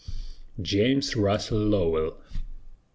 JAMES RUSSELL LOWELL.